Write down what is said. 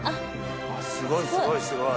すごいすごいすごい。